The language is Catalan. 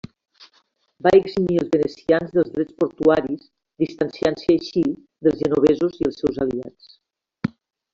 Va eximir els venecians dels drets portuaris, distanciant-se així dels genovesos i els seus aliats.